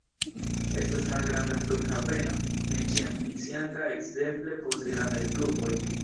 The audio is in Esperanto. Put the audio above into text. Estas malgranda flughaveno ne ĉiam funkcianta, ekzemple post grandaj pluvoj.